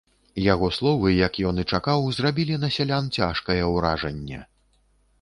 Яго словы, як ён і чакаў, зрабілі на сялян цяжкае ўражанне.